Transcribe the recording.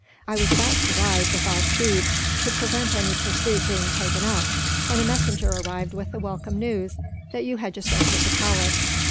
I was about to ride, with all speed, to prevent any pursuit being taken up; when a messenger arrived with the welcome news that you had just entered the palace."